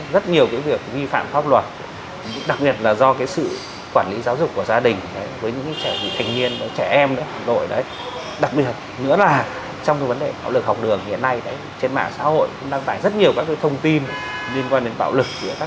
rất nhiều cái việc vi phạm pháp luật đặc biệt là do cái sự quản lý giáo dục của gia đình với những trẻ em đặc biệt nữa là trong cái vấn đề bảo lực học đường hiện nay trên mạng xã hội cũng đăng tải rất nhiều các cái thông tin liên quan đến bảo lực